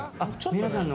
皆さんの？